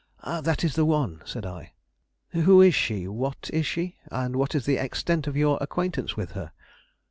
"That is the one," said I. "Who is she, what is she, and what is the extent of your acquaintance with her?"